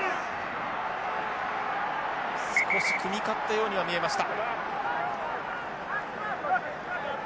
少し組み勝ったようには見えました。